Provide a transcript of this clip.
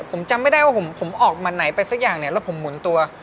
ผมจำไม่ได้ว่าผมออกมาไหนไปสักอย่างเนี่ยแล้วผมหมุนตัว